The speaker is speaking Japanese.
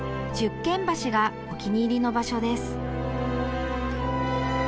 十間橋がお気に入りの場所です。